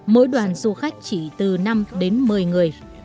mỗi đoàn du khách chỉ từ năm đến một mươi người